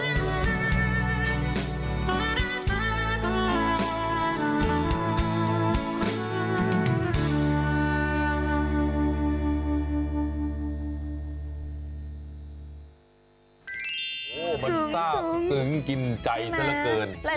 มันซากซึ้งกินใจซะละเกิน